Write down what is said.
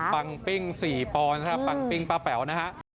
ปังปิ้งสี่พรปังปิ้งป้าเป๋านะฮะ